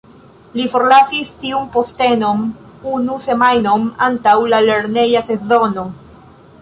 Li forlasis tiun postenon, unu semajnon antaŭ la lerneja sezono.